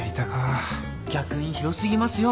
逆に広過ぎますよ